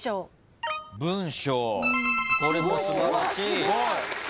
これも素晴らしい。